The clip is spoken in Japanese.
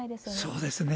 そうですね。